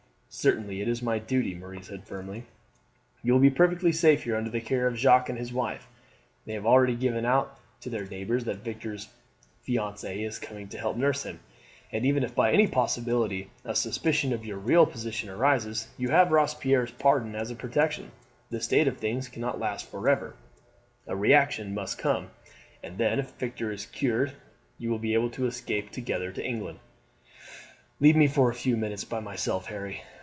"Certainly it is my duty," Marie said firmly. "You will be perfectly safe here under the care of Jacques and his wife. They have already given out to their neighbours that Victor's fiance is coming to help nurse him, and even if by any possibility a suspicion of your real position arises, you have Robespierre's pardon as a protection. This state of things cannot last for ever; a reaction must come; and then if Victor is cured, you will be able to escape together to England." "Leave me a few minutes by myself, Harry.